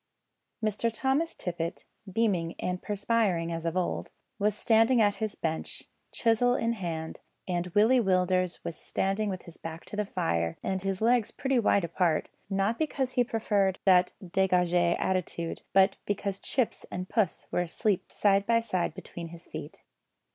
Mr Thomas Tippet, beaming and perspiring as of old, was standing at his bench, chisel in hand, and Willie Willders was standing with his back to the fire, and his legs pretty wide apart; not because he preferred that degage attitude, but because Chips and Puss were asleep side by side between his feet.